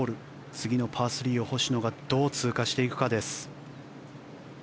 次のパー３を星野がどう通過していくかです。